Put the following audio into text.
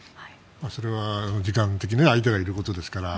それは時間的には相手がいることですから。